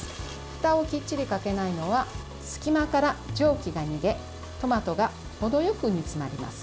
ふたをきっちりかけないのは隙間から蒸気が逃げトマトが程よく煮詰まります。